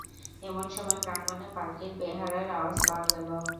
এমন সময় প্রাঙ্গণে পালকির বেহারার আওয়াজ পাওয়া গেল।